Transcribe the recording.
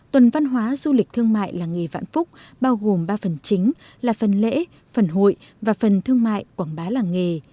tuần văn hóa du lịch thương mại làng nghề vạn phúc bao gồm ba phần chính là phần lễ phần hội và phần thương mại quảng bá làng nghề